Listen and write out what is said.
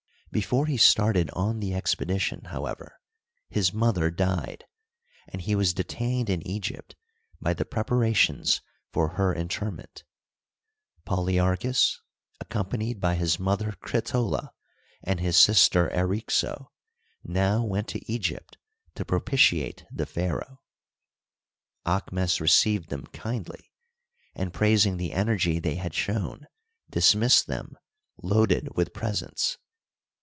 Before he started on the expedition, however, his mother died, and he was detained in Egypt by the preparations for her interment. Polyarchus, ac companied by his mother Critola and his sister Eryxo, now went to Ee^ypt to propitiate the pharaoh. Aahmes received them kindly, and praising the energy they had shown, dismissed them, loaded with presents.